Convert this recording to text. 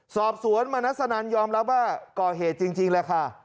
สอบสวนมณัสนันยอมรับว่าก่อเหตุจริงแหละค่ะ